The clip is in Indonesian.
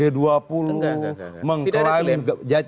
enggak enggak enggak